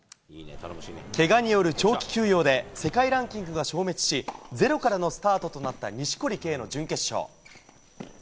けがによる長期休養で、世界ランキングが消滅し、ゼロからのスタートとなった錦織圭の準決勝。